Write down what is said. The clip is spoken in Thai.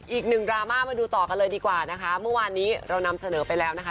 ดราม่ามาดูต่อกันเลยดีกว่านะคะเมื่อวานนี้เรานำเสนอไปแล้วนะคะ